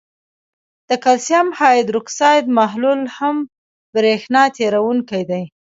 د کلسیم هایدروکساید محلول هم برېښنا تیروونکی دی.